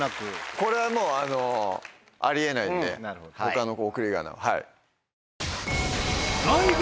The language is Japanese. これはもうあり得ないんで他の送り仮名は。